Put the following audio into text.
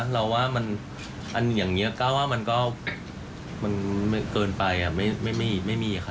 เราว่ามันอย่างนี้ก็ว่ามันก็เกินไปไม่มีค่ะ